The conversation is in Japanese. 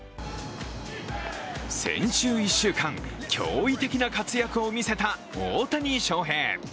先週１週間、驚異的な活躍を見せた大谷翔平。